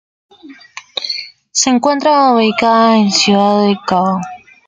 Se encuentra ubicada en Ciudad del Cabo.